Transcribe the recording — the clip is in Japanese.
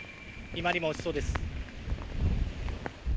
今にも落ちそうです。